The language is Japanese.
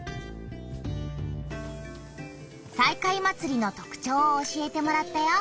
西海祭りのとくちょうを教えてもらったよ。